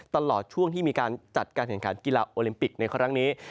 ตลอดช่วงที่มีการจัดการแข่งขันกีฬาโอลิมปิกในครั้งนี้